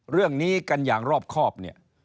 เรื่องนี้กันอย่างรอบครอบเนี่ย